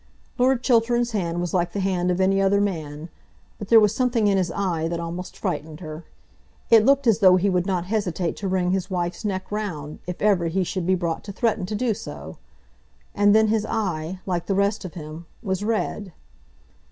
Lord Chiltern's hand was like the hand of any other man, but there was something in his eye that almost frightened her. It looked as though he would not hesitate to wring his wife's neck round, if ever he should be brought to threaten to do so. And then his eye, like the rest of him, was red.